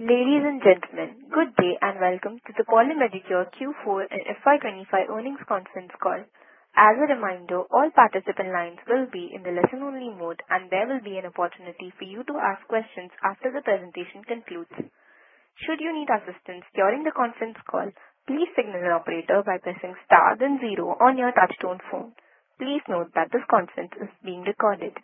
Ladies and gentlemen, good day and welcome to the Poly Medicure Q4 and FY25 earnings conference call. As a reminder, all participant lines will be in the listen-only mode, and there will be an opportunity for you to ask questions after the presentation concludes. Should you need assistance during the conference call, please signal an operator by pressing star then zero on your touch-tone phone. Please note that this conference is being recorded.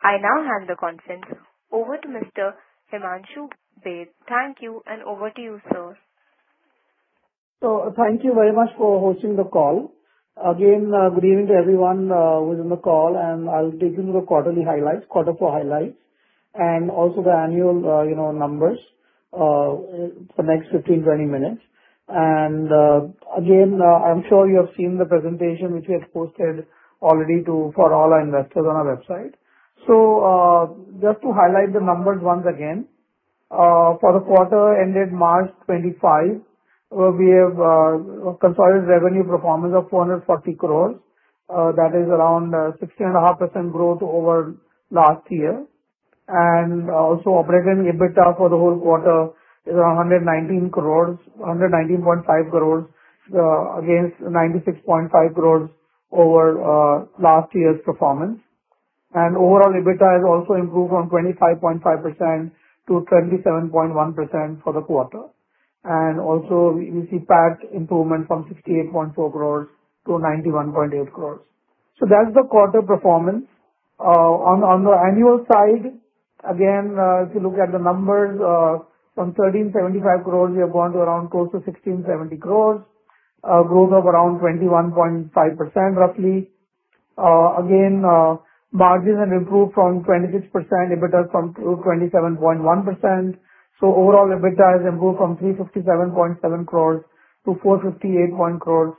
I now hand the conference over to Mr. Himanshu Baid. Thank you, and over to you, sir. Thank you very much for hosting the call. Again, good evening to everyone who is on the call, and I'll take you through the quarterly highlights, quarter four highlights, and also the annual numbers for the next 15, 20 minutes. And again, I'm sure you have seen the presentation which we had posted already for all our investors on our website. So just to highlight the numbers once again, for the quarter ended March '25, we have a consolidated revenue performance of 440 crores. That is around 16.5% growth over last year. And also operating EBITDA for the whole quarter is around INR 119.5 crores, against INR 96.5 crores over last year's performance. And overall, EBITDA has also improved from 25.5% to 27.1% for the quarter. And also, we see PAT improvement from 68.4 crores to 91.8 crores. So that's the quarter performance. On the annual side, again, if you look at the numbers, from 1,375 crores, we have gone to around close to 1,670 crores, a growth of around 21.5%, roughly. Again, margins have improved from 26%, EBITDA from 27.1%. So overall, EBITDA has improved from 357.7 crores to 458.1 crores.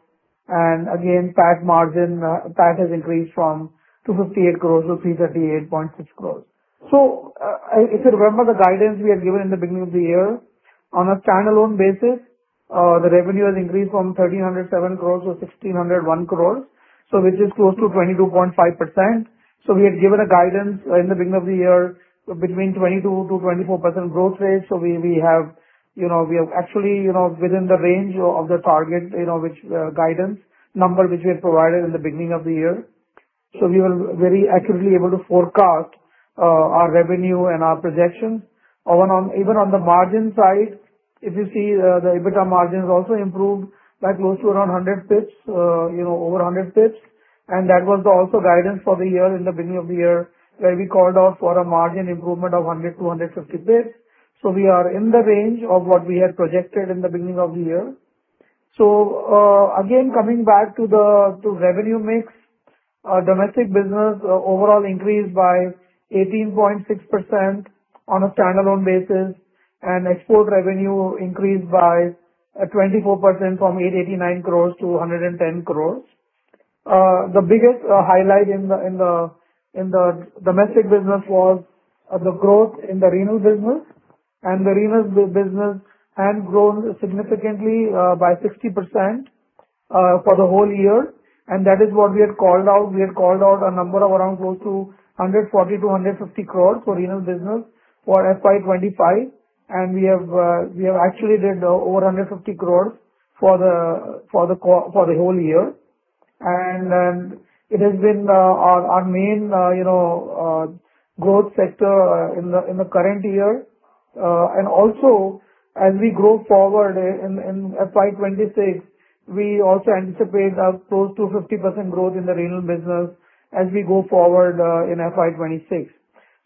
And again, PAT margin, PAT has increased from 258 crores to 338.6 crores. So if you remember the guidance we had given in the beginning of the year, on a standalone basis, the revenue has increased from 1,307 crores to 1,601 crores, which is close to 22.5%. So we had given a guidance in the beginning of the year between 22%-24% growth rate. So we have actually within the range of the target guidance number which we had provided in the beginning of the year. So we were very accurately able to forecast our revenue and our projections. Even on the margin side, if you see the EBITDA margin has also improved by close to around 100 basis points, over 100 basis points. And that was also guidance for the year in the beginning of the year, where we called out for a margin improvement of 100-150 basis points. So we are in the range of what we had projected in the beginning of the year. So again, coming back to the revenue mix, domestic business overall increased by 18.6% on a standalone basis, and export revenue increased by 24% from 889 crores to 1,100 crores. The biggest highlight in the domestic business was the growth in the retail business. And the retail business had grown significantly by 60% for the whole year. And that is what we had called out. We had called out a number of around close to 140-150 crores for retail business for FY25. And we have actually did over 150 crores for the whole year. And it has been our main growth sector in the current year. And also, as we grow forward in FY26, we also anticipate close to 50% growth in the retail business as we go forward in FY26.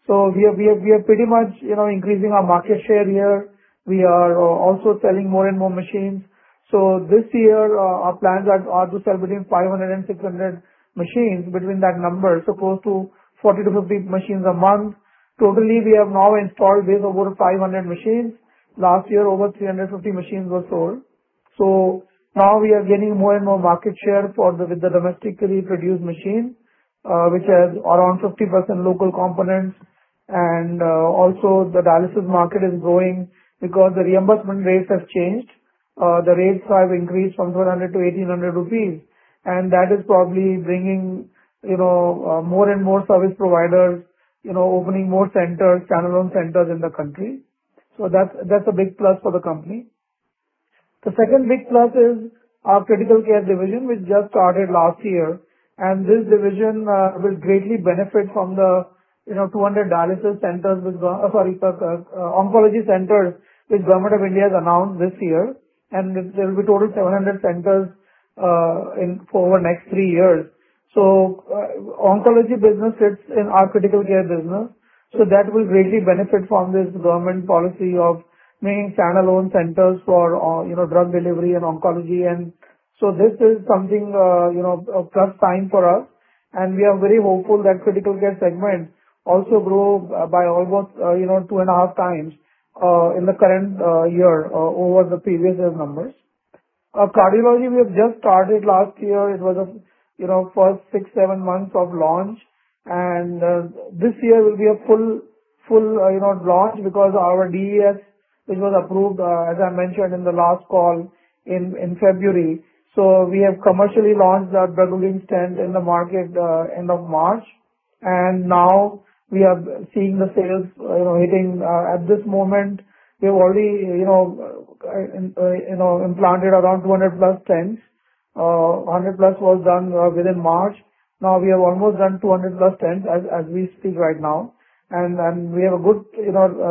So we are pretty much increasing our market share here. We are also selling more and more machines. So this year, our plans are to sell between 500 and 600 machines between that number, so close to 40-50 machines a month. Totally, we have now installed base of over 500 machines. Last year, over 350 machines were sold. So now we are gaining more and more market share with the domestically produced machine, which has around 50% local components. Also, the dialysis market is growing because the reimbursement rates have changed. The rates have increased from 1,200 to 1,800 rupees. And that is probably bringing more and more service providers opening more centers, standalone centers in the country. So that's a big plus for the company. The second big plus is our critical care division, which just started last year. And this division will greatly benefit from the 200 dialysis centers, sorry, oncology centers which Government of India has announced this year. And there will be total 700 centers for the next three years. So oncology business sits in our critical care business. So that will greatly benefit from this government policy of making standalone centers for drug delivery and oncology. And so this is something of plus time for us. We are very hopeful that critical care segment also grows by almost two and a half times in the current year over the previous year's numbers. Cardiology, we have just started last year. It was the first six, seven months of launch. This year will be a full launch because our DES, which was approved, as I mentioned in the last call in February. We have commercially launched that drug-eluting stent in the market end of March. Now we are seeing the sales hitting. At this moment, we have already implanted around 200 plus stents. 100 plus was done within March. Now we have almost done 200 plus stents as we speak right now. We have a good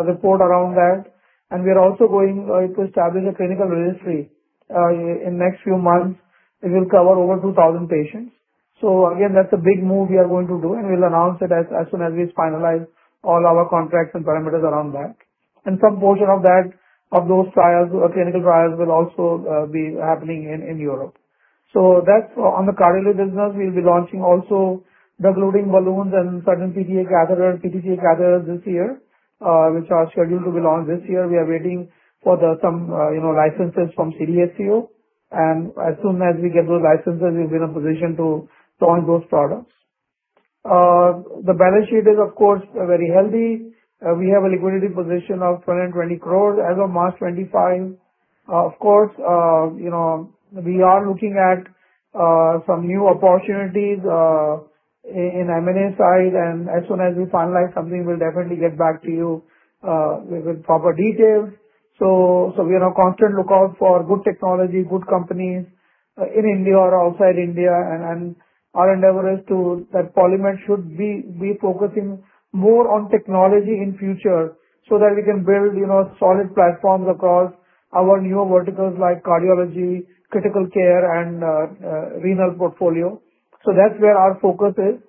report around that. We are also going to establish a clinical registry in the next few months. It will cover over 2,000 patients. Again, that's a big move we are going to do. And we'll announce it as soon as we finalize all our contracts and parameters around that. And some portion of those trials, clinical trials, will also be happening in Europe. That's on the cardiology business. We'll be launching also the drug-eluting balloons and certain PTA catheters, PTCA catheters this year, which are scheduled to be launched this year. We are waiting for some licenses from CDSCO. And as soon as we get those licenses, we'll be in a position to launch those products. The balance sheet is, of course, very healthy. We have a liquidity position of 120 crores as of March 25. Of course, we are looking at some new opportunities in M&A side. And as soon as we finalize something, we'll definitely get back to you with proper details. We are on constant lookout for good technology, good companies in India or outside India. Our endeavor is that Poly Medicure should be focusing more on technology in the future so that we can build solid platforms across our new verticals like cardiology, critical care, and renal portfolio. That's where our focus is.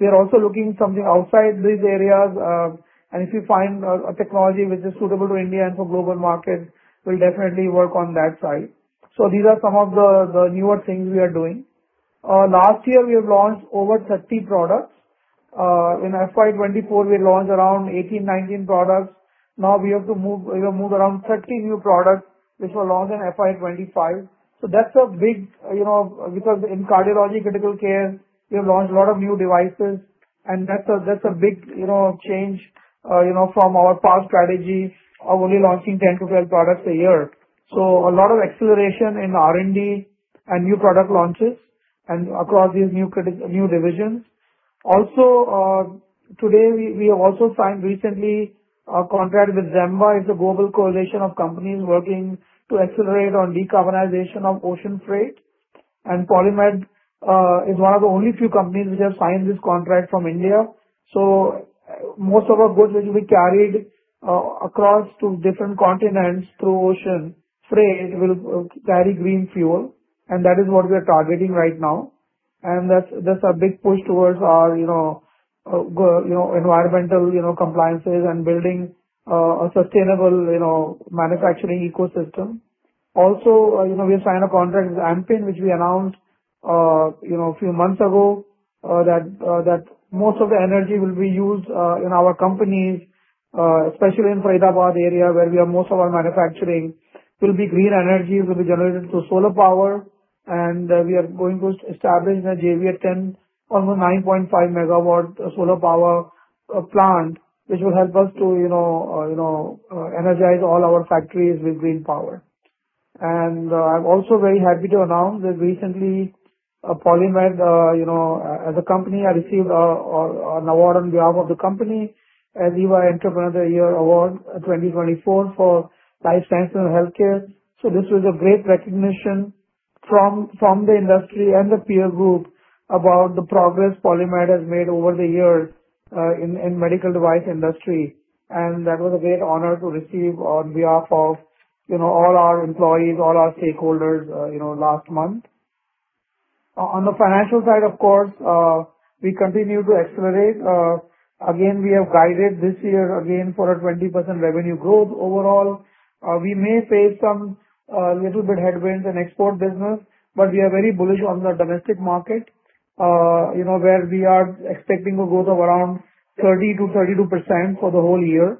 We are also looking at something outside these areas. If we find a technology which is suitable to India and for global markets, we'll definitely work on that side. These are some of the newer things we are doing. Last year, we have launched over 30 products. In FY24, we launched around 18, 19 products. Now we have to move around 30 new products, which were launched in FY25. That's a big because in cardiology, critical care, we have launched a lot of new devices. That's a big change from our past strategy of only launching 10-12 products a year. There's a lot of acceleration in R&D and new product launches across these new divisions. Today, we also signed a contract recently with ZEMBA, which is a global coalition of companies working to accelerate on decarbonization of ocean freight. Poly Medicure is one of the only few companies which have signed this contract from India. Most of our goods, which will be carried across to different continents through ocean freight, will carry green fuel. That's what we are targeting right now. That's a big push towards our environmental compliances and building a sustainable manufacturing ecosystem. Also, we have signed a contract with AmpIn, which we announced a few months ago, that most of the energy will be used in our companies, especially in the Faridabad area, where most of our manufacturing will be green energy. It will be generated through solar power. And we are going to establish a JV at 10, almost 9.5 megawatt solar power plant, which will help us to energize all our factories with green power. And I'm also very happy to announce that recently, Polymed, as a company, received an award on behalf of the company as EY Entrepreneur of the Year Award 2024 for life sciences and healthcare. So this was a great recognition from the industry and the peer group about the progress Polymed has made over the year in the medical device industry. That was a great honor to receive on behalf of all our employees, all our stakeholders last month. On the financial side, of course, we continue to accelerate. Again, we have guided this year again for a 20% revenue growth. Overall, we may face some little bit headwinds in the export business, but we are very bullish on the domestic market, where we are expecting a growth of around 30%-32% for the whole year.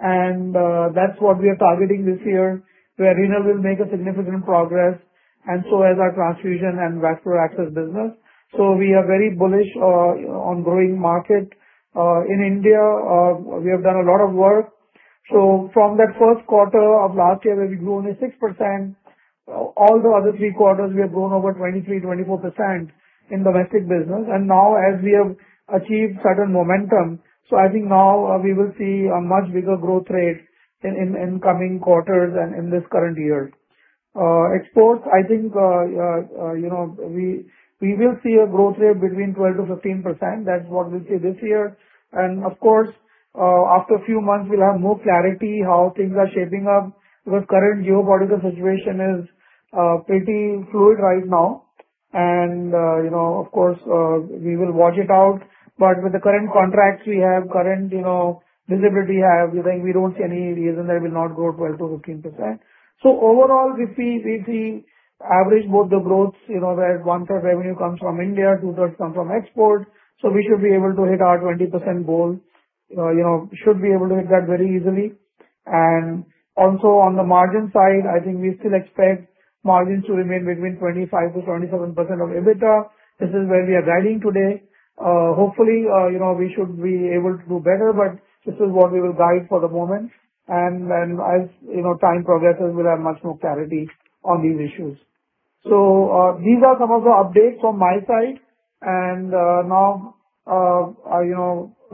That's what we are targeting this year, where renal will make significant progress, and so as our transfusion and vascular access business. We are very bullish on the growing market. In India, we have done a lot of work. From that first quarter of last year, where we grew only 6%, all the other three quarters, we have grown over 23%-24% in domestic business. And now, as we have achieved certain momentum, so I think now we will see a much bigger growth rate in coming quarters and in this current year. Exports, I think we will see a growth rate between 12%-15%. That's what we'll see this year. And of course, after a few months, we'll have more clarity on how things are shaping up because the current geopolitical situation is pretty fluid right now. And of course, we will watch it out. But with the current contracts we have, current visibility we have, we don't see any reason that it will not grow 12%-15%. So overall, we see average both the growths where one-third revenue comes from India, two-thirds come from export. So we should be able to hit our 20% goal. Should be able to hit that very easily. And also on the margin side, I think we still expect margins to remain between 25%-27% of EBITDA. This is where we are guiding today. Hopefully, we should be able to do better, but this is what we will guide for the moment. And as time progresses, we'll have much more clarity on these issues. So these are some of the updates from my side. And now,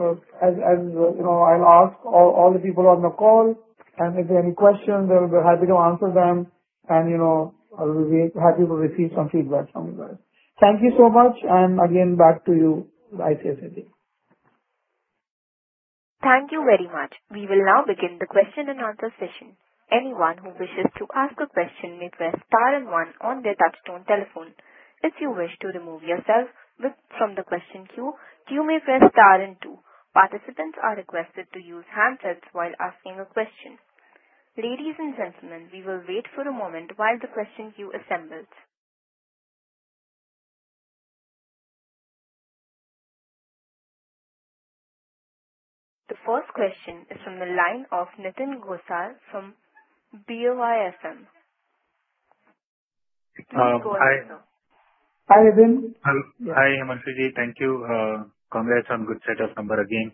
as I'll ask all the people on the call, and if there are any questions, we're happy to answer them. And we'll be happy to receive some feedback from you guys. Thank you so much. And again, back to you, Irshad. Thank you very much. We will now begin the question and answer session. Anyone who wishes to ask a question may press Star and 1 on their touch-tone telephone. If you wish to remove yourself from the question queue, you may press Star and 2. Participants are requested to use handsets while asking a question. Ladies and gentlemen, we will wait for a moment while the question queue assembles. The first question is from the line of Nitin Gosar from BOI MF. Hi. Hi, Nitin. Hi, Himanshu. Thank you. Congrats on a good set of numbers again.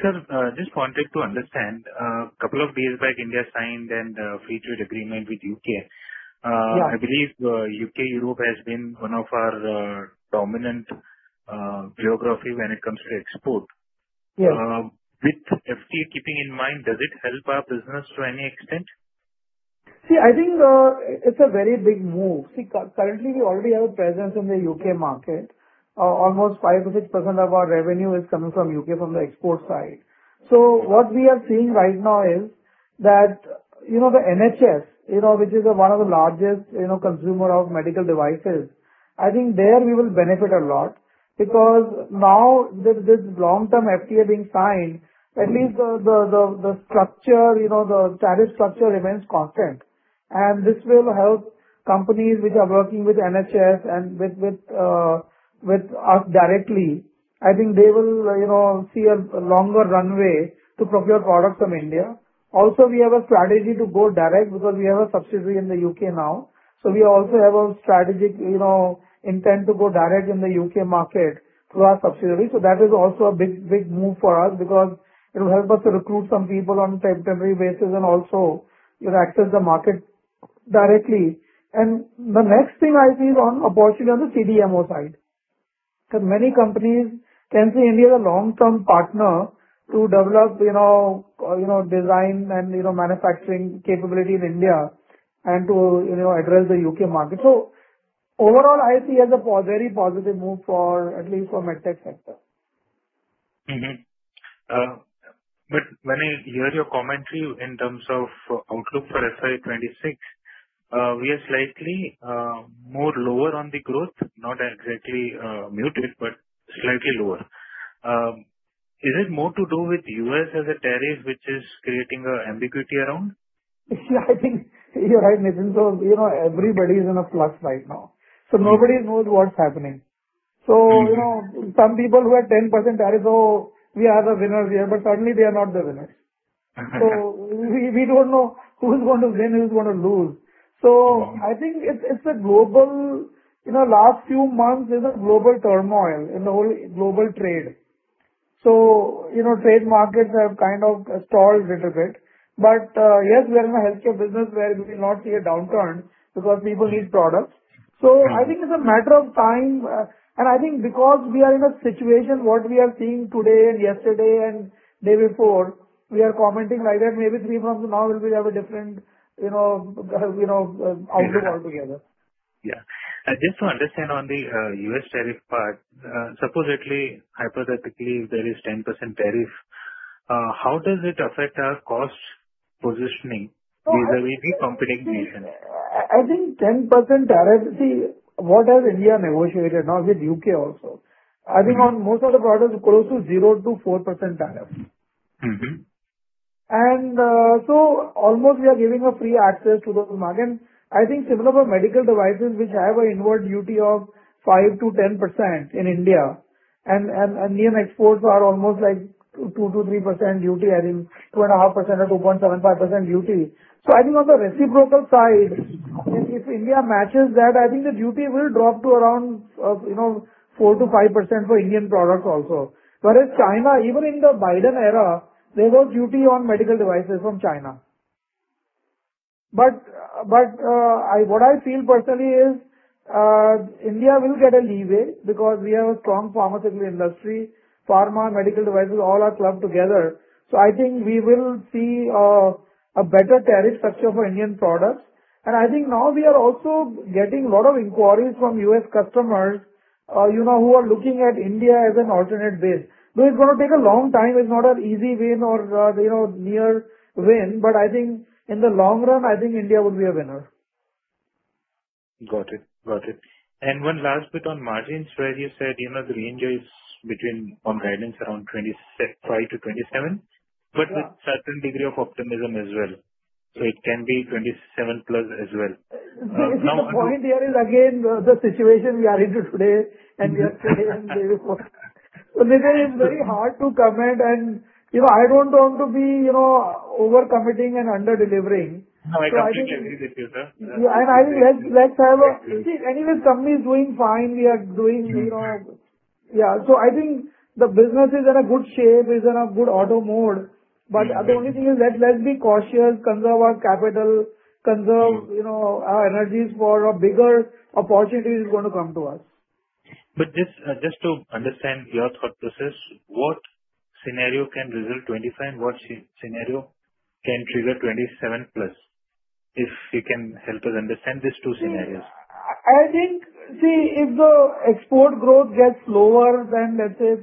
Sir, just wanted to understand. A couple of days back, India signed a free trade agreement with the U.K. I believe U.K. Europe has been one of our dominant geographies when it comes to export. With FTA keeping in mind, does it help our business to any extent? See, I think it's a very big move. See, currently, we already have a presence in the U.K. market. Almost 5%-6% of our revenue is coming from U.K. from the export side. So what we are seeing right now is that the NHS, which is one of the largest consumers of medical devices, I think there we will benefit a lot because now that this long-term FTA being signed, at least the structure, the tariff structure remains constant. And this will help companies which are working with NHS and with us directly. I think they will see a longer runway to procure products from India. Also, we have a strategy to go direct because we have a subsidiary in the U.K. now. So we also have a strategic intent to go direct in the U.K. market through our subsidiary. So that is also a big move for us because it will help us to recruit some people on a temporary basis and also access the market directly. And the next thing I see is an opportunity on the CDMO side because many companies can see India as a long-term partner to develop design and manufacturing capability in India and to address the U.K. market. So overall, I see as a very positive move for at least the med tech sector. But when I hear your commentary in terms of outlook for FY26, we are slightly more lower on the growth, not exactly muted, but slightly lower. Is it more to do with the U.S. as a tariff, which is creating an ambiguity around? See, I think you're right, Nitin. So everybody is in a flux right now. So nobody knows what's happening. So some people who are 10% tariff, "Oh, we are the winners here," but suddenly they are not the winners. So we don't know who's going to win, who's going to lose. So I think it's a global last few months is a global turmoil in the whole global trade. So trade markets have kind of stalled a little bit. But yes, we are in a healthcare business where we will not see a downturn because people need products. So I think it's a matter of time. And I think because we are in a situation, what we are seeing today and yesterday and the day before, we are commenting like that, maybe three months from now, we will have a different outlook altogether. Yeah. I just want to understand on the U.S. tariff part. Supposedly, hypothetically, there is a 10% tariff. How does it affect our cost positioning vis-à-vis the competing nations? I think 10% tariff, see, what has India negotiated now with U.K. also? I think on most of the products, close to 0%-4% tariff. And so almost we are giving free access to those markets. And I think similar for medical devices, which have an inward duty of 5%-10% in India. And Indian exports are almost like 2%-3% duty, I think 2.5% or 2.75% duty. So I think on the reciprocal side, if India matches that, I think the duty will drop to around 4%-5% for Indian products also. Whereas China, even in the Biden era, there was duty on medical devices from China. But what I feel personally is India will get a leeway because we have a strong pharmaceutical industry. Pharma, medical devices, all are clubbed together. So I think we will see a better tariff structure for Indian products. And I think now we are also getting a lot of inquiries from U.S. customers who are looking at India as an alternate base. Though it's going to take a long time, it's not an easy win or near win. But I think in the long run, I think India would be a winner. Got it. Got it. And one last bit on margins, where you said the range is between on guidance around 25%-27%, but with a certain degree of optimism as well. So it can be 27% plus as well. Now, again, the situation we are in today and we are today and the day before. So Nitin, it's very hard to comment. And I don't want to be overcommitting and under-delivering. No, I completely agree with you, sir. And I think let's have a see. Anyway, the company is doing fine. We are doing yeah. So I think the business is in a good shape, is in a good auto mode. But the only thing is that let's be cautious, conserve our capital, conserve our energies for a bigger opportunity that is going to come to us. But just to understand your thought process, what scenario can result 25% and what scenario can trigger 27%? If you can help us understand these two scenarios. I think, see, if the export growth gets lower than, let's say,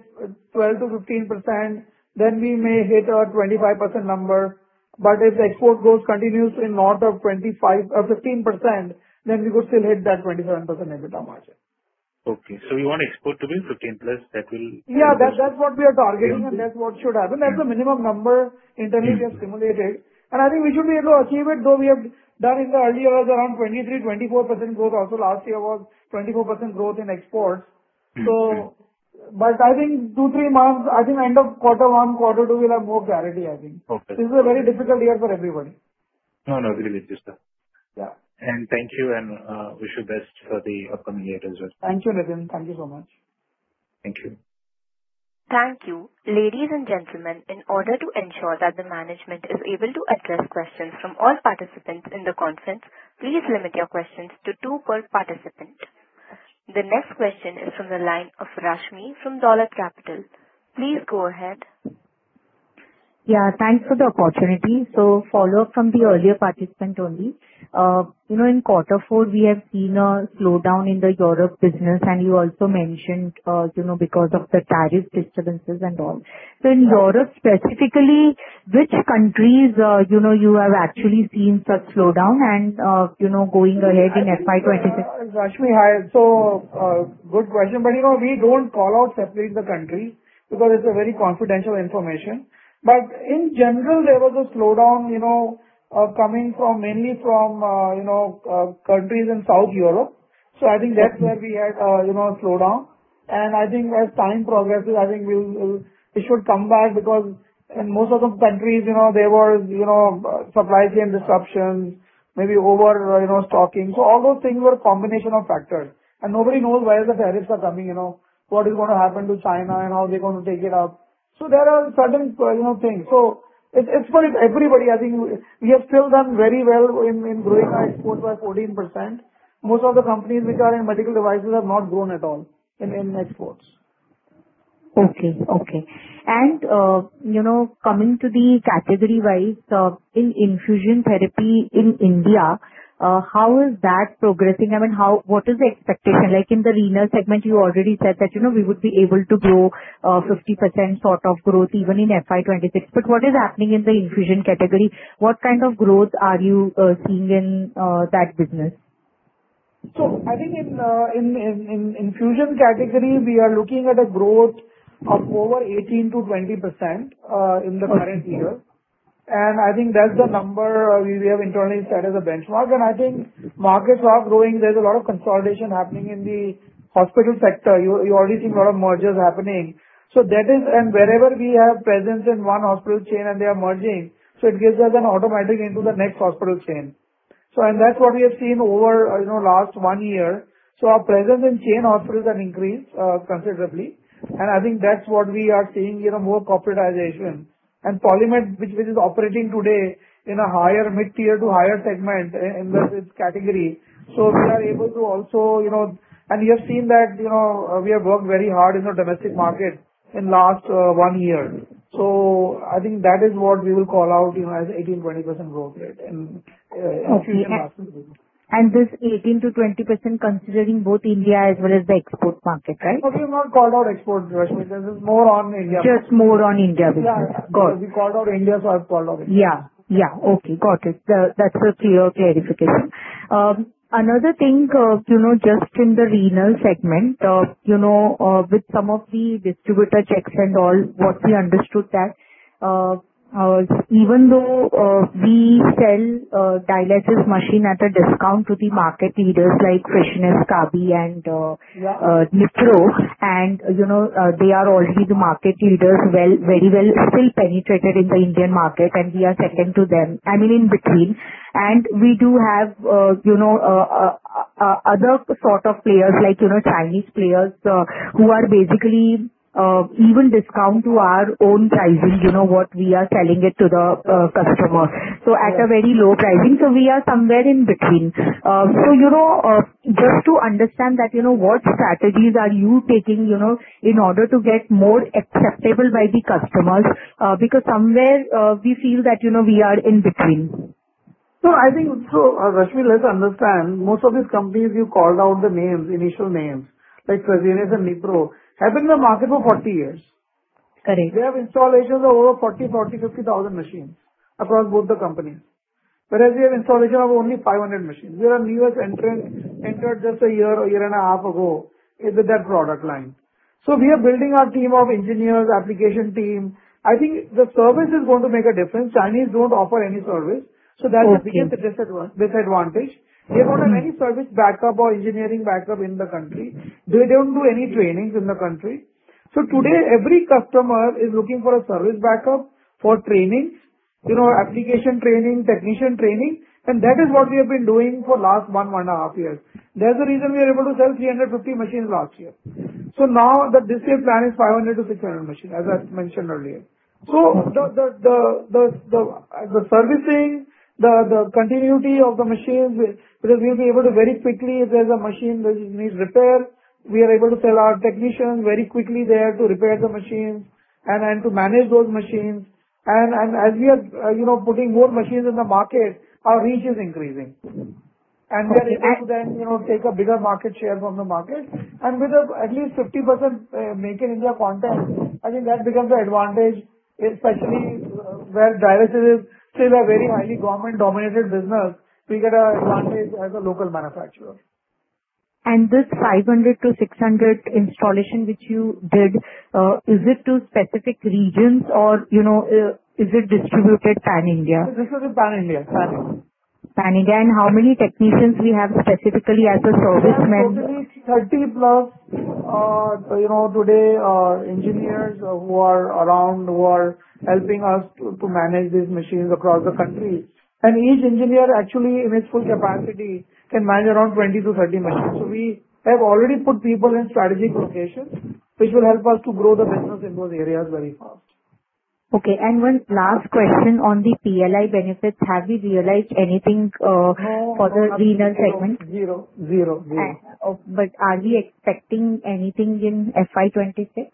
12%-15%, then we may hit a 25% number. But if the export growth continues in north of 15%, then we could still hit that 27% EBITDA margin. Okay. So you want export to be 15%? That will be the target? Yeah, that's what we are targeting, and that's what should happen. That's the minimum number internally we have stimulated. And I think we should be able to achieve it, though we have done in the early years around 23%-24% growth. Also, last year was 24% growth in exports. But I think two to three months, I think end of quarter one, quarter two, we'll have more clarity, I think. This is a very difficult year for everybody. No, no, agreed with you, sir. And thank you, and wish you best for the upcoming year as well. Thank you, Nitin. Thank you so much. Thank you. Thank you. Ladies and gentlemen, in order to ensure that the management is able to address questions from all participants in the conference, please limit your questions to two per participant. The next question is from the line of Rashmi from Dolat Capital. Please go ahead. Yeah, thanks for the opportunity. So follow-up from the earlier participant only. In quarter four, we have seen a slowdown in the Europe business, and you also mentioned because of the tariff disturbances and all. So in Europe specifically, which countries you have actually seen such slowdown and going ahead in FY26? Rashmi, so good question. But we don't call out separate the countries because it's a very confidential information. But in general, there was a slowdown coming mainly from countries in South Europe. So I think that's where we had a slowdown. And I think as time progresses, I think it should come back because in most of the countries, there were supply chain disruptions, maybe overstocking. So all those things were a combination of factors. Nobody knows where the tariffs are coming, what is going to happen to China, and how they're going to take it up. There are certain things. It's for everybody. I think we have still done very well in growing our exports by 14%. Most of the companies which are in medical devices have not grown at all in exports. Okay. Coming to the category-wise, in infusion therapy in India, how is that progressing? I mean, what is the expectation? Like in the renal segment, you already said that we would be able to grow 50% sort of growth even in FY26. But what is happening in the infusion category? What kind of growth are you seeing in that business? I think in infusion category, we are looking at a growth of over 18%-20% in the current year. And I think that's the number we have internally set as a benchmark. And I think markets are growing. There's a lot of consolidation happening in the hospital sector. You already see a lot of mergers happening. So that is, and wherever we have presence in one hospital chain and they are merging, so it gives us an automatic into the next hospital chain. And that's what we have seen over the last one year. So our presence in chain hospitals has increased considerably. And I think that's what we are seeing, more corporatization. And Poly Medicure, which is operating today in a higher mid-tier to higher segment in this category. So we are able to also, and we have seen that we have worked very hard in the domestic market in the last one year. So I think that is what we will call out as 18%-20% growth rate in infusion hospitals. And this 18%-20%, considering both India as well as the export market, right? We have not called out export, Rashmi. This is more on India. Just more on India business. Yeah. We called out India, so I've called out India. Yeah. Yeah. Okay. Got it. That's a clear clarification. Another thing, just in the renal segment, with some of the distributor checks and all, what we understood that even though we sell dialysis machine at a discount to the market leaders like Fresenius Kabi and Nipro, and they are already the market leaders, very well still penetrated in the Indian market, and we are second to them, I mean, in between. We do have other sort of players like Chinese players who are basically even discount to our own pricing, what we are selling it to the customers. So at a very low pricing. So we are somewhere in between. So just to understand that, what strategies are you taking in order to get more acceptable by the customers? Because somewhere we feel that we are in between. So I think, Rashmi, let's understand. Most of these companies you called out the names, initial names, like Fresenius Kabi and Nipro, have been in the market for 40 years. Correct. They have installations of over 40-50 thousand machines across both the companies. Whereas we have installation of only 500 machines. We are a newest entrant entered just a year or year and a half ago with that product line. So we are building our team of engineers, application team. I think the service is going to make a difference. Chinese don't offer any service, so that's a big disadvantage. They don't have any service backup or engineering backup in the country. They don't do any trainings in the country, so today, every customer is looking for a service backup for training, application training, technician training, and that is what we have been doing for the last one and a half years. That's the reason we were able to sell 350 machines last year, so now the display plan is 500-600 machines, as I mentioned earlier, so the servicing, the continuity of the machines, because we'll be able to very quickly, if there's a machine that needs repair, we are able to tell our technicians very quickly there to repair the machines and to manage those machines. As we are putting more machines in the market, our reach is increasing. And we are able to then take a bigger market share from the market. And with at least 50% Make in India content, I think that becomes an advantage, especially where dialysis is still a very highly government-dominated business. We get an advantage as a local manufacturer. And this 500-600 installation which you did, is it to specific regions or is it distributed pan-India? This is pan-India. Pan-India. And how many technicians do we have specifically as a service man? We have at least 30-plus today, engineers who are around, who are helping us to manage these machines across the country. And each engineer, actually, in its full capacity, can manage around 20-30 machines. So we have already put people in strategic locations, which will help us to grow the business in those areas very fast. Okay. And one last question on the PLI benefits. Have we realized anything for the renal segment? Zero. Zero. Zero. But are we expecting anything in FY26?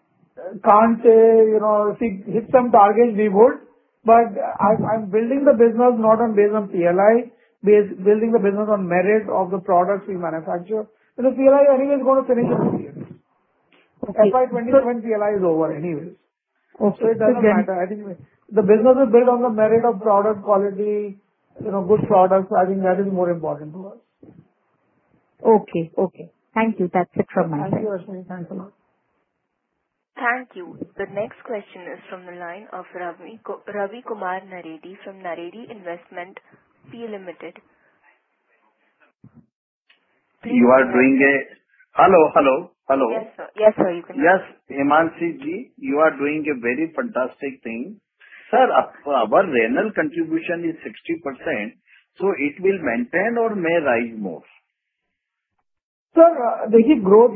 Can't say. Hit some targets, we would. But I'm building the business not on basis on PLI, building the business on merit of the products we manufacture. The PLI anyway is going to finish in two years. FY27 PLI is over anyways. So it doesn't matter. I think the business is built on the merit of product quality, good products. I think that is more important to us. Okay. Okay. Thank you. That's it from my side. Thank you, Rashmi. Thanks a lot. Thank you. The next question is from the line of Ravi Kumar Naredi from Naredi Investments Private Limited. Hello, hello, hello. Yes, sir. Yes, sir. You can hear me? Yes, Himanshu ji, you are doing a very fantastic thing. Sir, our renal contribution is 60% so it will maintain or may rise more? Sir,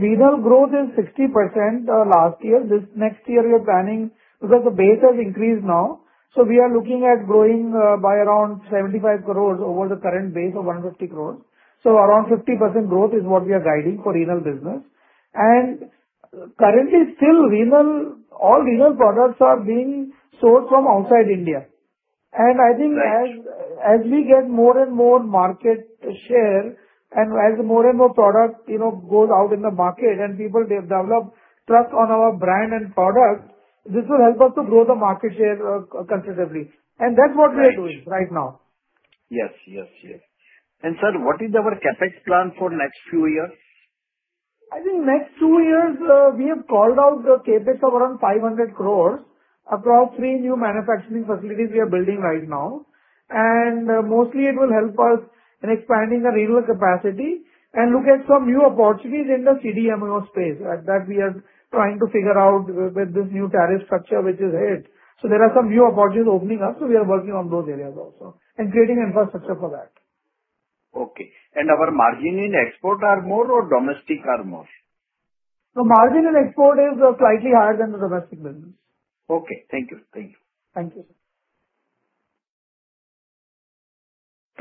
renal growth is 60% last year. This next year, we are planning because the base has increased now so we are looking at growing by around 75 crores over the current base of 150 crores. So around 50% growth is what we are guiding for renal business. And currently, still, all renal products are being sold from outside India. And I think as we get more and more market share and as more and more product goes out in the market and people develop trust on our brand and product, this will help us to grow the market share considerably. And that's what we are doing right now. Yes. Yes. Yes. And sir, what is our CapEx plan for next few years? I think next two years, we have called out the CapEx of around 500 crores across three new manufacturing facilities we are building right now. And mostly, it will help us in expanding the renal capacity and look at some new opportunities in the CDMO space that we are trying to figure out with this new tariff structure which is ahead. So there are some new opportunities opening up. So we are working on those areas also and creating infrastructure for that. Okay. And our margin in export are more or domestic are more? The margin in export is slightly higher than the domestic business. Okay. Thank you. Thank you. Thank you,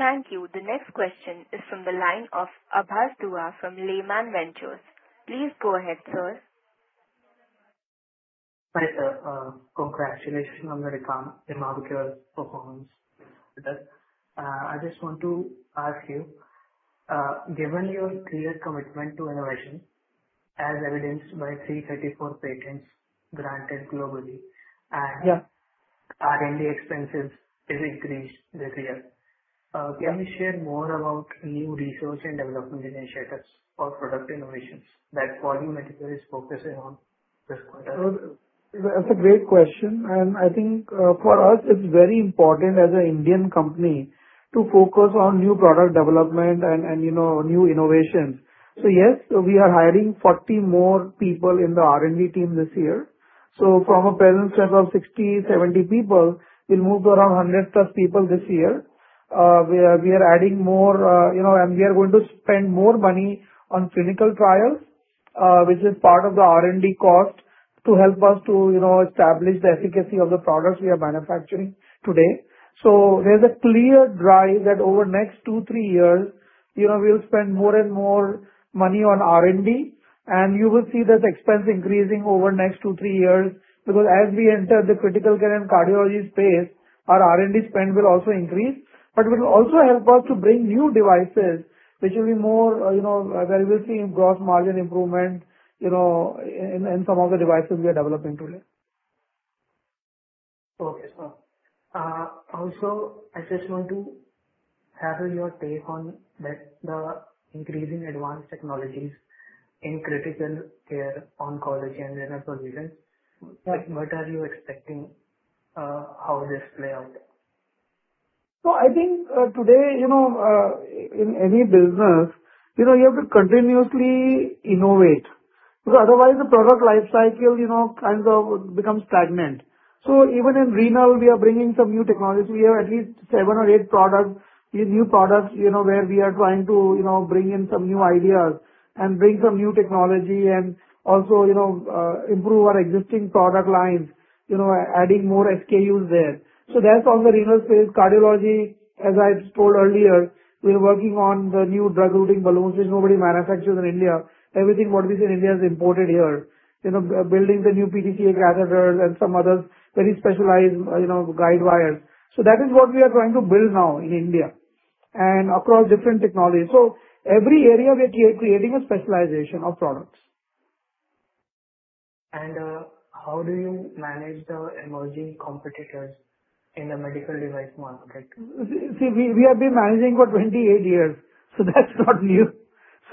sir. Thank you. The next question is from the line of Abhas Dua from Lehman Ventures. Please go ahead, sir. Hi sir. Congratulations on the remarkable performance. With it. I just want to ask you, given your clear commitment to innovation, as evidenced by 334 patents granted globally, and R&D expenses have increased this year, can you share more about new research and development initiatives or product innovations that Poly Medicure is focusing on this quarter? That's a great question. And I think for us, it's very important as an Indian company to focus on new product development and new innovations. So yes, we are hiring 40 more people in the R&D team this year. So from a presence of 60, 70 people, we'll move to around 100 plus people this year. We are adding more, and we are going to spend more money on clinical trials, which is part of the R&D cost to help us to establish the efficacy of the products we are manufacturing today. So there's a clear drive that over the next two, three years, we'll spend more and more money on R&D. And you will see that the expense increasing over the next two, three years because as we enter the critical care and cardiology space, our R&D spend will also increase. But it will also help us to bring new devices, which will be more where we will see gross margin improvement in some of the devices we are developing today. Okay. Also, I just want to hear your take on the increasing advanced technologies in critical care oncology and renal procedures. What are you expecting how this plays out? So I think today, in any business, you have to continuously innovate because otherwise the product lifecycle kind of becomes stagnant. So even in renal, we are bringing some new technologies. We have at least seven or eight new products where we are trying to bring in some new ideas and bring some new technology and also improve our existing product lines, adding more SKUs there. So that's on the renal space. Cardiology, as I told earlier, we're working on the new drug-eluting balloons, which nobody manufactures in India. Everything what we see in India is imported here. Building the new PTCA catheters and some other very specialized guide wires. So that is what we are trying to build now in India and across different technologies. So every area, we are creating a specialization of products. And how do you manage the emerging competitors in the medical device market? See, we have been managing for 28 years. So that's not new.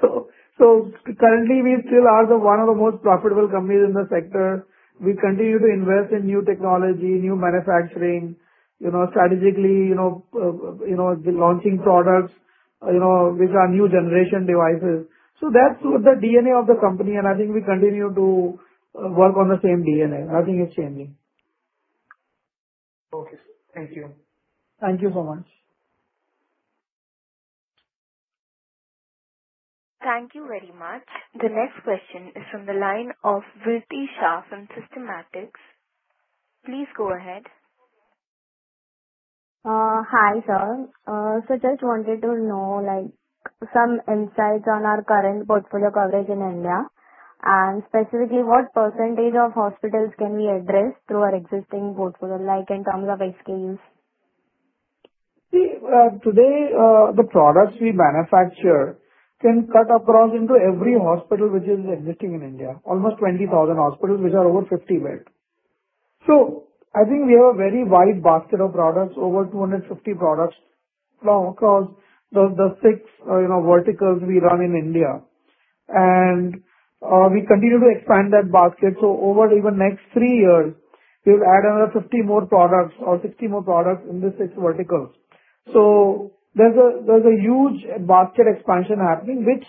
So currently, we still are one of the most profitable companies in the sector. We continue to invest in new technology, new manufacturing, strategically launching products which are new generation devices. So that's the DNA of the company. And I think we continue to work on the same DNA. Nothing is changing. Okay. Thank you. Thank you so much. Thank you very much. The next question is from the line of Virti Sheth from Systematix. Please go ahead. Hi sir. So just wanted to know some insights on our current portfolio coverage in India and specifically what percentage of hospitals can we address through our existing portfolio in terms of SKUs? See, today, the products we manufacture can cut across into every hospital which is existing in India, almost 20,000 hospitals which are over 50 bed. So I think we have a very wide basket of products, over 250 products across the six verticals we run in India. We continue to expand that basket. Over even the next three years, we will add another 50 more products or 60 more products in the six verticals. There's a huge basket expansion happening, which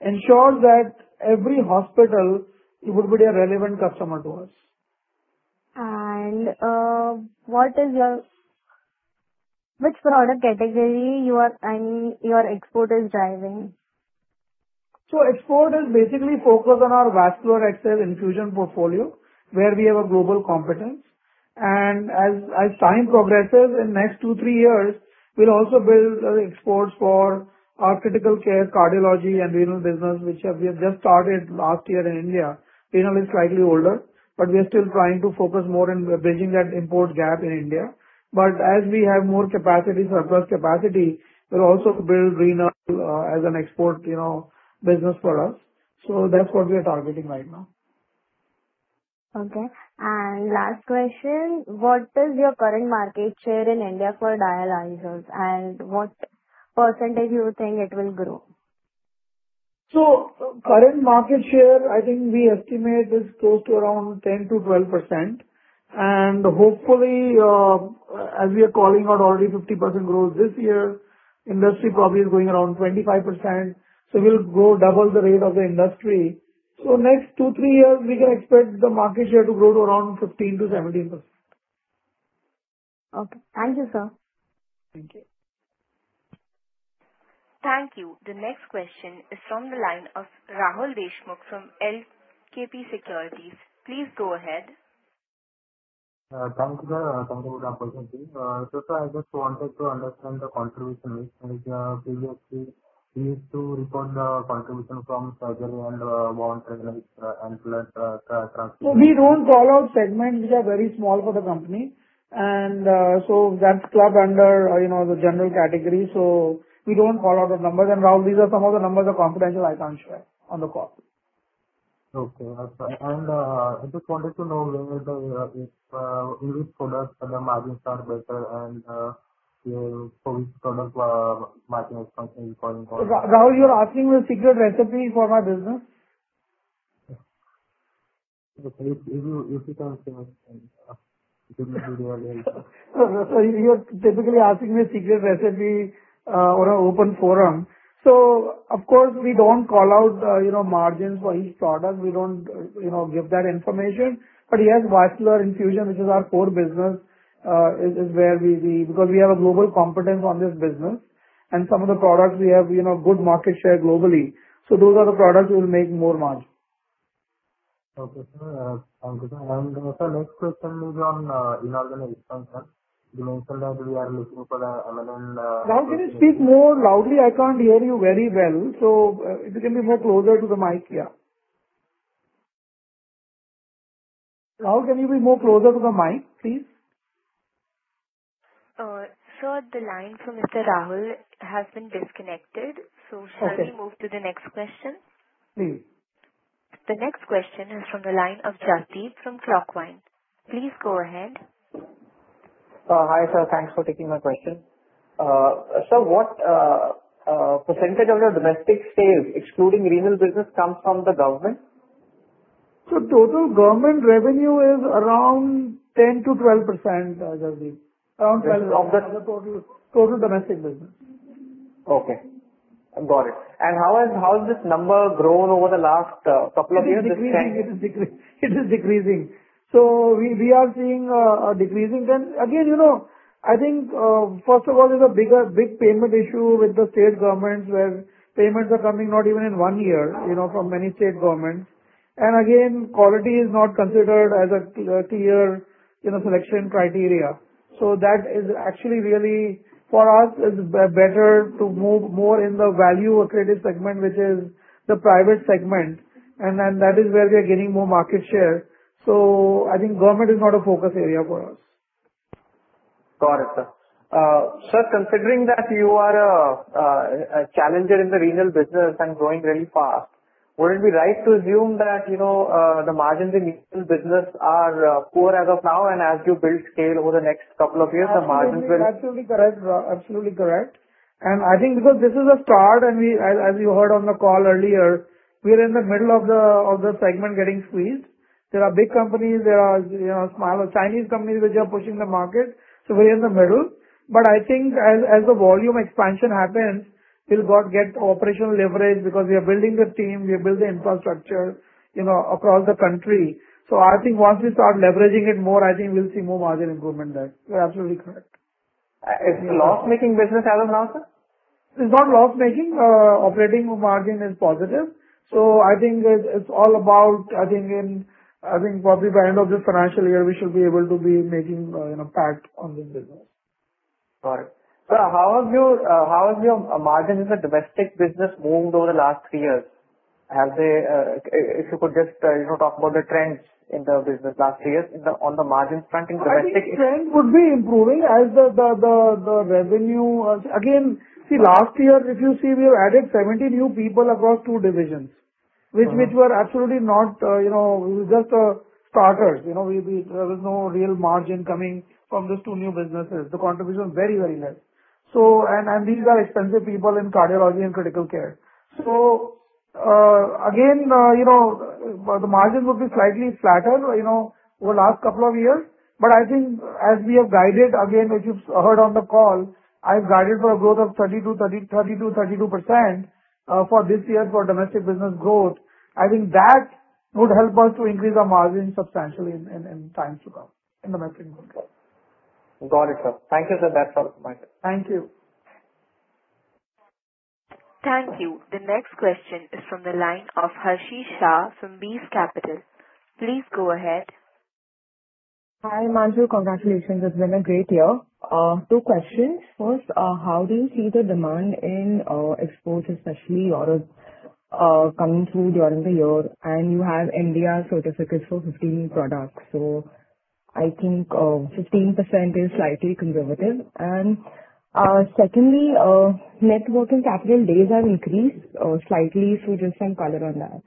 ensures that every hospital would be a relevant customer to us. Which product category? I mean, your export is driving? Export is basically focused on our vascular access infusion portfolio where we have a global competence. As time progresses in the next two, three years, we'll also build exports for our critical care, cardiology, and renal business, which we have just started last year in India. Renal is slightly older, but we are still trying to focus more in bridging that import gap in India. As we have more surplus capacity, we'll also build renal as an export business for us. That's what we are targeting right now. Okay. And last question, what is your current market share in India for dialyzers and what percentage do you think it will grow? So current market share, I think we estimate is close to around 10-12%. And hopefully, as we are calling out already 50% growth this year, industry probably is going around 25%. So we'll grow double the rate of the industry. So next two, three years, we can expect the market share to grow to around 15-17%. Okay. Thank you, sir. Thank you. Thank you. The next question is from the line of Rahul Deshmukh from LKP Securities. Please go ahead. Thank you, sir. Thank you for the opportunity. Sir, I just wanted to understand the contribution rate. Previously, we used to report the contribution from surgery and bone fragility and blood transfusion. So we don't call out segments which are very small for the company. And so that's clubbed under the general category. So we don't call out the numbers. And Rahul, these are some of the numbers that are confidential. I can't share on the cost. Okay. And I just wanted to know in which products the margins are better and for which product margin expansion is going on. Rahul, you're asking the secret recipe for my business? Okay. If you can finish, give me a few. So you're typically asking me a secret recipe on an open forum. So of course, we don't call out margins for each product. We don't give that information. But yes, vascular infusion, which is our core business, is where we because we have a global competence on this business. And some of the products we have good market share globally. So those are the products that will make more margin. Okay. Thank you, sir. And sir, next question is on inorganic expansion. You mentioned that we are looking for the M&A. Rahul, can you speak more loudly? I can't hear you very well. So if you can be more closer to the mic. Yeah. Rahul, can you be more closer to the mic, please? Sir, the line for Mr. Rahul has been disconnected. So shall we move to the next question? Please. The next question is from the line of Jasdeep from Clockvine. Please go ahead. Hi sir. Thanks for taking my question. Sir, what percentage of your domestic sales, excluding renal business, comes from the government? So total government revenue is around 10%-12%, Jasdeep. Around 12% of the total domestic business. Okay. Got it. How has this number grown over the last couple of years? It is decreasing. It is decreasing. So we are seeing a decreasing. Again, I think first of all, there's a big payment issue with the state governments where payments are coming not even in one year from many state governments. Again, quality is not considered as a clear selection criteria, so that is actually really for us. It's better to move more in the value-accredited segment, which is the private segment. Then that is where we are getting more market share. I think government is not a focus area for us. Got it, sir. Sir, considering that you are a challenger in the renal business and growing really fast, would it be right to assume that the margins in renal business are poor as of now? As you build scale over the next couple of years, the margins will. Absolutely correct. Absolutely correct. I think because this is a start, and as you heard on the call earlier, we are in the middle of the segment getting squeezed. There are big companies. There are smaller Chinese companies which are pushing the market. So we're in the middle. But I think as the volume expansion happens, we'll get operational leverage because we are building the team. We build the infrastructure across the country. So I think once we start leveraging it more, I think we'll see more margin improvement there. You're absolutely correct. Is it a loss-making business as of now, sir? It's not loss-making. Operating margin is positive. So I think it's all about. I think, probably by the end of this financial year, we should be able to be making impact on this business. Got it. Sir, how has your margin in the domestic business moved over the last three years? If you could just talk about the trends in the business last three years on the margin front in domestic. I think trend would be improving as the revenue. Again, see, last year, if you see, we have added 70 new people across two divisions, which were absolutely not. We were just starters. There was no real margin coming from these two new businesses. The contribution was very, very less. And these are expensive people in cardiology and critical care. So again, the margins would be slightly flatter over the last couple of years. But I think as we have guided, again, as you've heard on the call, I've guided for a growth of 30%-32% for this year for domestic business growth. I think that would help us to increase our margin substantially in times to come in domestic business. Got it, sir. Thank you, sir. That's all my questions. Thank you. Thank you. The next question is from the line of Harsh Shah from B&K Securities. Please go ahead. Himanshu, congratulations. It's been a great year. Two questions. First, how do you see the demand in exports, especially coming through during the year? And you have India certificates for 15 products. So I think 15% is slightly conservative. And secondly, net working capital days have increased slightly. So just some color on that.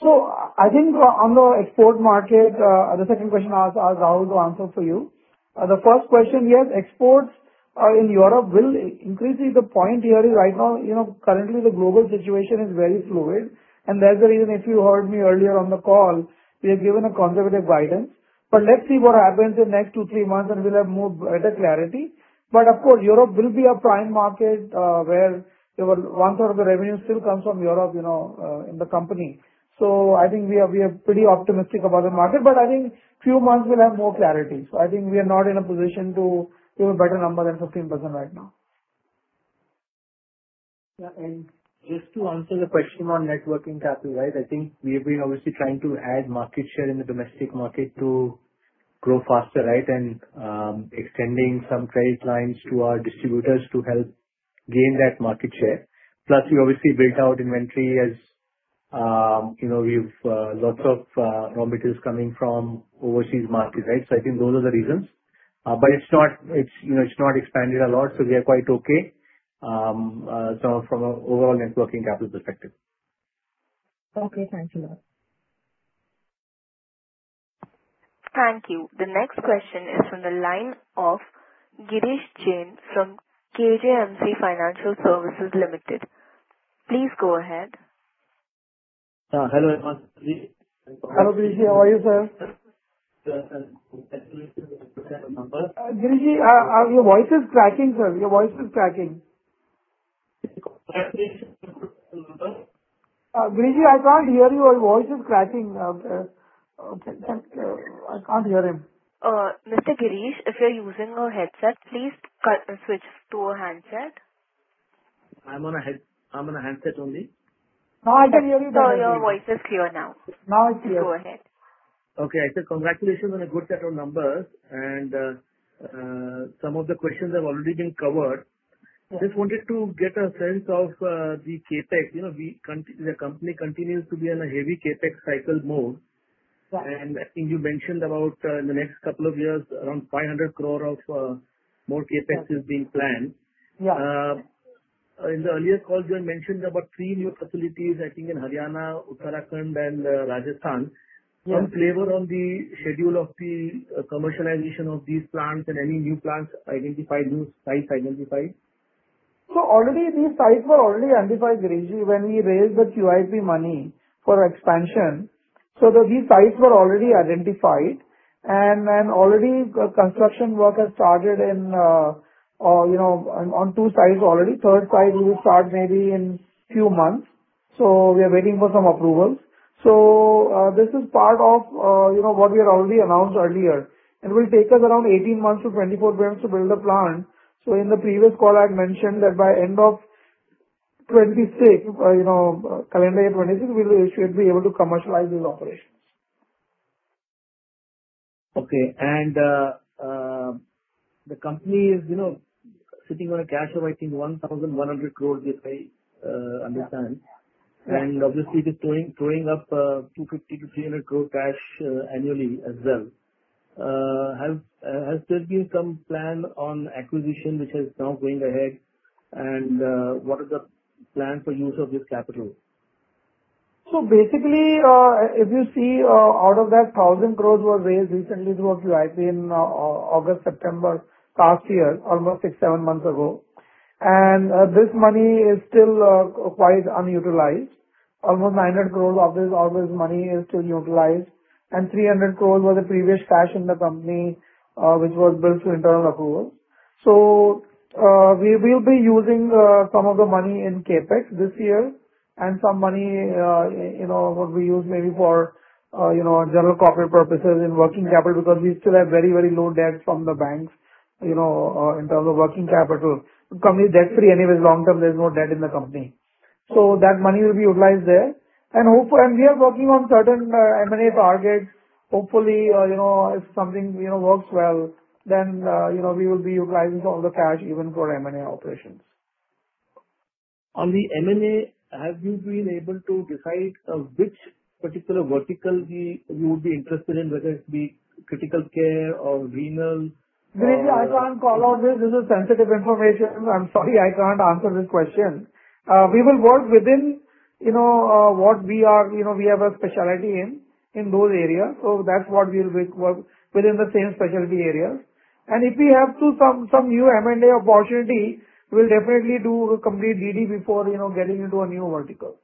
So I think on the export market, the second question I'll ask Rahul to answer for you. The first question, yes, exports in Europe will increase. The point here is right now, currently, the global situation is very fluid. And that's the reason if you heard me earlier on the call, we have given a conservative guidance. But let's see what happens in the next two, three months, and we'll have more better clarity. But of course, Europe will be a prime market where one third of the revenue still comes from Europe in the company. So I think we are pretty optimistic about the market. But I think a few months, we'll have more clarity. So I think we are not in a position to give a better number than 15% right now. Yeah. Just to answer the question on working capital, right? I think we have been obviously trying to add market share in the domestic market to grow faster, right? And extending some credit lines to our distributors to help gain that market share. Plus, we obviously built out inventory as we have lots of raw materials coming from overseas markets, right? So I think those are the reasons. But it's not expanded a lot. So we are quite okay from an overall working capital perspective. Okay. Thank you, sir. Thank you. The next question is from the line of Girish Jain from KJMC Financial Services Limited. Please go ahead. Hello, everyone. Hello, Girish. How are you, sir? Absolutely perfect. Girish, your voice is cracking, sir. Your voice is cracking. Girish, I can't hear you. Your voice is cracking. I can't hear him. Mr. Girish, if you're using a headset, please switch to a handset. I'm on a handset only. No, I can hear you perfectly. Your voice is clear now. Now it's clear. Go ahead. Okay. I said congratulations on a good set of numbers. And some of the questions have already been covered. Just wanted to get a sense of the CapEx. The company continues to be in a heavy CapEx cycle mode. And I think you mentioned about in the next couple of years, around 500 crore of more CapEx is being planned. In the earlier call, you had mentioned about three new facilities, I think, in Haryana, Uttarakhand, and Rajasthan. Some flavor on the schedule of the commercialization of these plants and any new plants identified, new sites identified? So already, these sites were already identified, Girish, when we raised the QIP money for expansion. These sites were already identified. And then already, construction work has started on two sites already. Third site will start maybe in a few months. We are waiting for some approvals. This is part of what we had already announced earlier. It will take us around 18 months to 24 months to build a plant. In the previous call, I had mentioned that by end of calendar year 2026, we should be able to commercialize these operations. Okay. And the company is sitting on a cash of, I think, 1,100 crore, if I understand. And obviously, it is throwing up 250 crore-300 crore cash annually as well. Has there been some plan on acquisition, which is now going ahead? And what is the plan for use of this capital? So basically, if you see, out of that 1,000 crores was raised recently through a QIP in August, September last year, almost six, seven months ago. And this money is still quite unutilized. Almost 900 crores of this money is still unutilized. And 300 crores was the previous cash in the company, which was built through internal accruals. So we will be using some of the money in CapEx this year and some money would be used maybe for general corporate purposes in working capital because we still have very, very low debt from the banks in terms of working capital. The company is debt-free anyways. Long term, there's no debt in the company. So that money will be utilized there. And we are working on certain M&A targets. Hopefully, if something works well, then we will be utilizing some of the cash even for M&A operations. On the M&A, have you been able to decide which particular vertical you would be interested in, whether it be critical care or renal? Girish, I can't call out this. This is sensitive information. I'm sorry. I can't answer this question. We will work within what we have a specialty in, in those areas. So that's what we'll work within the same specialty areas. And if we have some new M&A opportunity, we'll definitely do a complete DD before getting into a new vertical.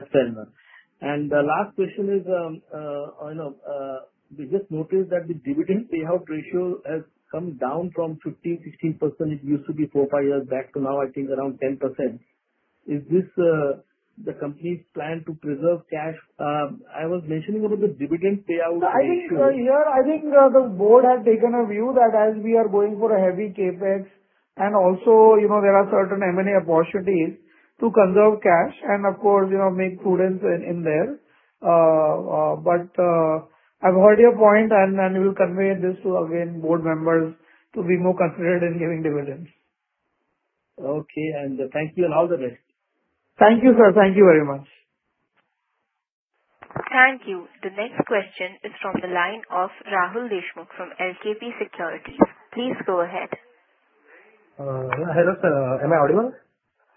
Understandable. And the last question is, we just noticed that the dividend payout ratio has come down from 15-16%. It used to be 4-5 years back to now, I think, around 10%. Is this the company's plan to preserve cash? I was mentioning about the dividend payout ratio. I think, sir, here, I think the board has taken a view that as we are going for a heavy CapEx and also, there are certain M&A opportunities to conserve cash and, of course, make prudence in there. But I've heard your point, and I will convey this to, again, board members to be more considerate in giving dividends. Okay. And thank you and all the best. Thank you, sir. Thank you very much. Thank you. The next question is from the line of Rahul Deshmukh from LKP Securities. Please go ahead. Hello, sir. Am I audible?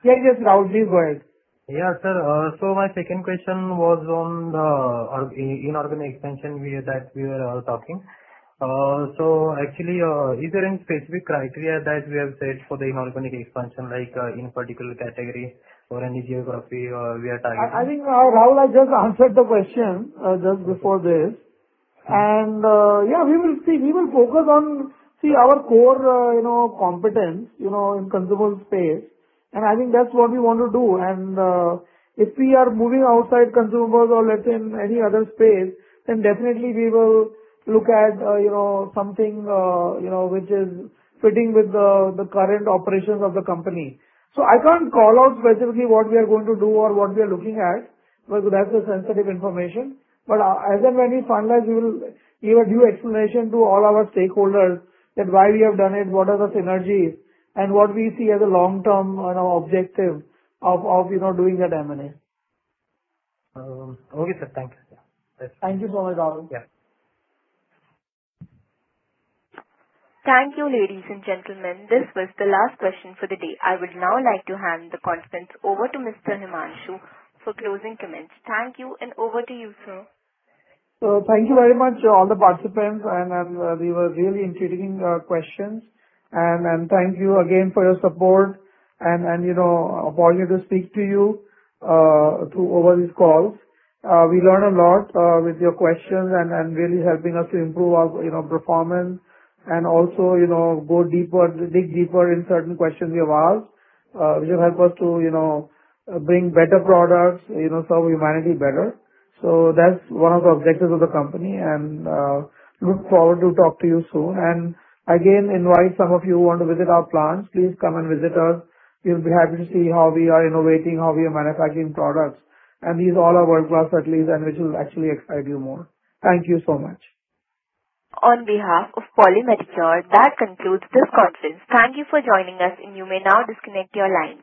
Yeah, yes, Rahul. Please go ahead. Yeah, sir. So my second question was on the inorganic expansion that we were all talking. So actually, is there any specific criteria that we have set for the inorganic expansion, like in particular category or any geography we are targeting? I think Rahul has just answered the question just before this. And yeah, we will see. We will focus on, see, our core competence in consumer space. And I think that's what we want to do. And if we are moving outside consumers or let's say in any other space, then definitely we will look at something which is fitting with the current operations of the company. So I can't call out specifically what we are going to do or what we are looking at because that's the sensitive information. But as and when we finalize, we will give a due explanation to all our stakeholders that why we have done it, what are the synergies, and what we see as a long-term objective of doing that M&A. Okay, sir. Thank you. Thank you so much, Rahul. Thank you, ladies and gentlemen. This was the last question for the day. I would now like to hand the conference over to Mr. Himanshu for closing comments. Thank you. And over to you, sir. Thank you very much, all the participants. And they were really intriguing questions. And thank you again for your support and opportunity to speak to you through all these calls. We learned a lot with your questions and really helping us to improve our performance and also dig deeper in certain questions you have asked, which will help us to bring better products, serve humanity better. So that's one of the objectives of the company. And look forward to talk to you soon. And again, invite some of you who want to visit our plants. Please come and visit us. We'll be happy to see how we are innovating, how we are manufacturing products. And these are all our workflows, at least, which will actually excite you more. Thank you so much. On behalf of Poly Medicure, that concludes this conference. Thank you for joining us, and you may now disconnect your lines.